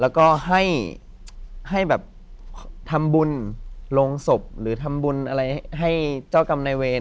แล้วก็ให้แบบทำบุญลงศพหรือทำบุญอะไรให้เจ้ากรรมนายเวร